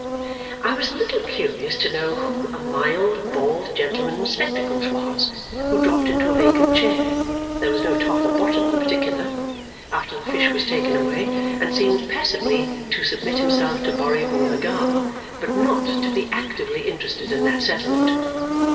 I was a little curious to know who a mild bald gentleman in spectacles was, who dropped into a vacant chair (there was no top or bottom in particular) after the fish was taken away and seemed passively to submit himself to Borrioboola Gha but not to be actively interested in that settlement.